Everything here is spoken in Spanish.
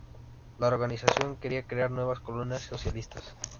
La organización quería crear nuevas colonias socialistas.